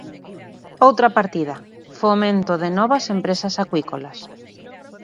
Outra partida: fomento de novas empresas acuícolas.